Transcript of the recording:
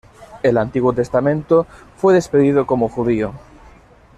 El Antiguo Testamento fue despedido como judío.